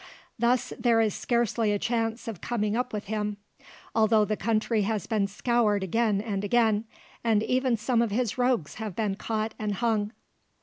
Thus there is scarcely a chance of coming up with him, although the country has been scoured again and again, and even some of his rogues have been caught and hung."